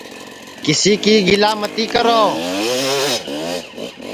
کِسی کی گِلا متی کرو